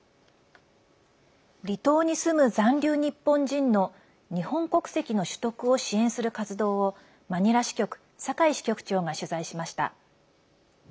離島に住む残留日本人の日本国籍の取得を支援する活動をマニラ支局、酒井支局長が取材しました。